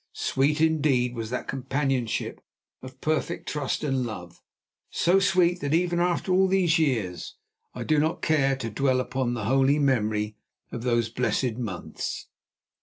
Sweet, indeed, was that companionship of perfect trust and love; so sweet, that even after all these years I do not care to dwell upon the holy memory of those blessed months.